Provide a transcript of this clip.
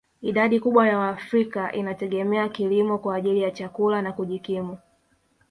Idadi kubwa ya waafrika inategemea kilimo kwa ajili ya chakula na kujikimu